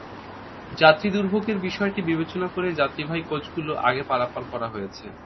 যাত্রী দুর্ভোগের বিষয়টি বিবেচনা করে যাত্রীবাহী কোচগুলোকে আগে পারাপার করা হয়েছে।